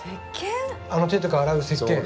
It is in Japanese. あの手とか洗う石けん？